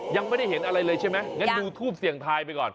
ยังไม่ได้เห็นอะไรเลยใช่ไหมงั้นดูทูปเสี่ยงทายไปก่อน